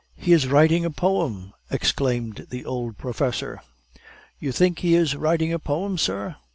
"He is writing a poem!" exclaimed the old professor. "You think he is writing a poem, sir?